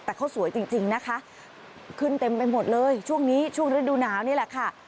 แต่เขาสวยจริงนะคะขึ้นเต็มไปหมดเลยช่วงนี้ช่วงฤดูหนาวนี่แหละค่ะ